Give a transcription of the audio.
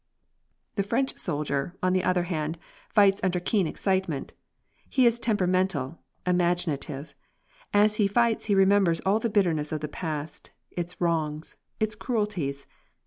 The French soldier, on the other hand, fights under keen excitement. He is temperamental, imaginative; as he fights he remembers all the bitterness of the past, its wrongs, its cruelties.